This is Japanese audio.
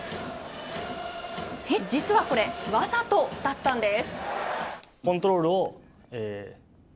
実はこれ、わざとだったんです。